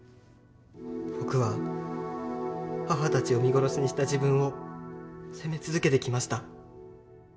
僕は母たちを見殺しにした自分を責め続けてきました。